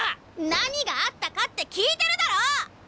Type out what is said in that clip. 何があったかって聞いてるだろ！